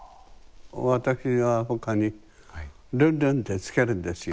私は他に「ルンルン」って付けるんですよ。